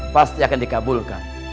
pasti akan dikabulkan